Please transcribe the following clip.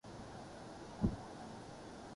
جاں کیوں نکلنے لگتی ہے تن سے‘ دمِ سماع